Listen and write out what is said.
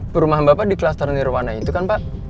perumahan bapak di klaster nirwana itu kan pak